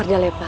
tidak ada lepa